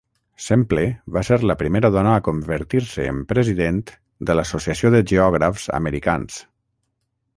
Semple va ser la primera dona a convertir-se en president de l'Associació de Geògrafs Americans.